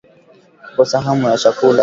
Kukosa hamu ya chakula